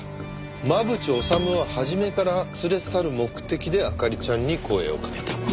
真渕治は初めから連れ去る目的で明里ちゃんに声をかけた。